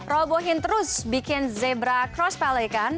robohin terus bikin zebra cross pelicon